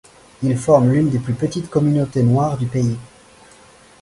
Ils forment l'une des plus petites communautés noires du pays.